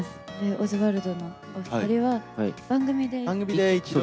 オズワルドのお２人は、番組で一度。